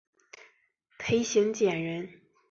裴行俭人。